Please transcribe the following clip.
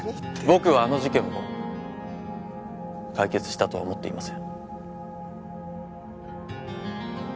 僕はあの事件も解決したとは思っていません。